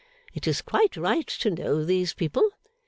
It is quite right to know these people.